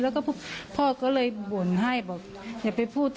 แล้วก็พอ